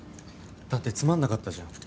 だってつまんなかったじゃん。